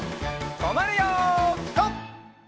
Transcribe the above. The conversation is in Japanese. とまるよピタ！